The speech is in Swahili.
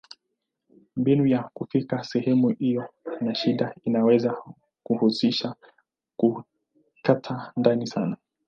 Mbinu ya kufikia sehemu iliyo na shida inaweza kuhusisha kukata ndani sana.